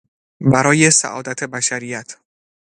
برای سعادت بشریت